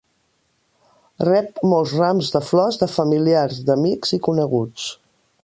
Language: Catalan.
Rep molts rams de flors de familiars d'amics i coneguts.